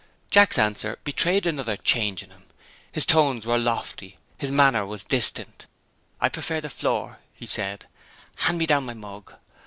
Jack's answer betrayed another change in him. His tones were lofty; his manner was distant. "I prefer the floor," he said; "hand me down my mug."